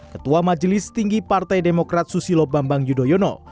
ketua majelis tinggi partai demokrat susilo bambang yudhoyono